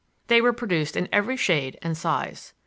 They were produced in every shade and size.